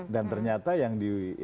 dan ternyata yang di